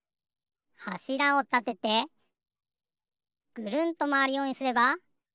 はしらをたててぐるんとまわるようにすれば。